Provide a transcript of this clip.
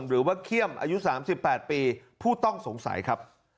หรือว่าเขี้ยมอายุ๓๘ปีผู้ต้องสงสัยครับ